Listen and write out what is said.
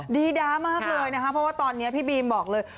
ดีด้ามากเลยนะคะเพราะว่าตอนนี้พี่บีมบอกเลย